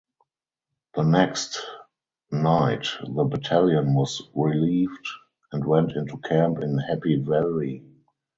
The next night the battalion was relieved and went into camp in Happy Valley.